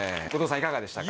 いかがでしたか？